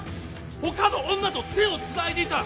他の女と手をつないでいた